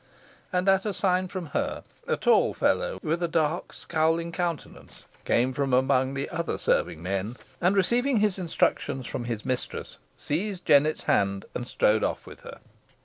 And at a sign from her, a tall fellow with a dark, scowling countenance, came from among the other serving men, and, receiving his instructions from his mistress, seized Jennet's hand, and strode off with her.